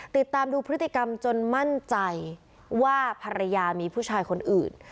ติดตามดูพฤติกรรมจนมั่นใจว่าภรรยามีผู้ชายคนอื่น